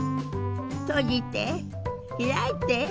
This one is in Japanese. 閉じて開いて。